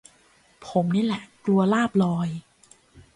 ผมนี่ล่ะกลัวลาบลอย